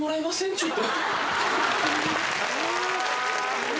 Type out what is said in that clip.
ちょっと。